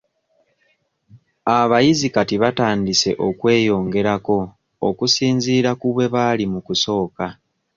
Abayizi kati batandise okweyongerako okusinziira ku bwe baali mu kusooka.